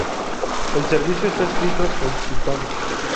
El servicio está escrito en Python.